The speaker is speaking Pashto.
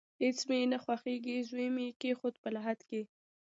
هیڅ مې نه خوښیږي، زوی مې کیښود په لحد کې